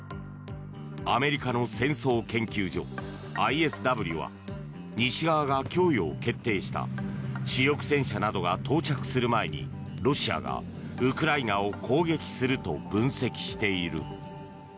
アメリカの戦争研究所・ＩＳＷは西側が供与を決定した主力戦車などが到着する前にロシアがウクライナを攻撃すると分析している。